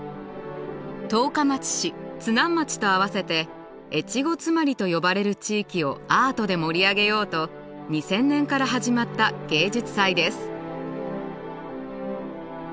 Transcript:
十日町市津南町と合わせて越後妻有と呼ばれる地域をアートで盛り上げようと２０００年から始まった芸術祭です。